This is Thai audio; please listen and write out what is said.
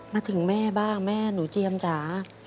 มาถึงแม่บ้างแม่หนูเจียมจ๋า